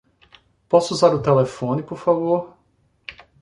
Posso usar o telefone, por favor?